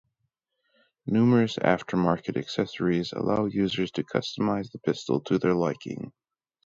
Numerous aftermarket accessories allow users to customize the pistol to their liking.